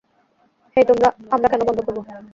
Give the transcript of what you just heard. হেই, আমরা কেন বন্ধ করবো?